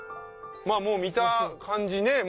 もう見た感じね